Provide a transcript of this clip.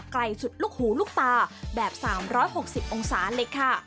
ไกลสุดลูกหูลูกตาแบบ๓๖๐องศาเลยค่ะ